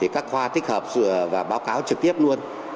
các khoa tích hợp và báo cáo trực tiếp luôn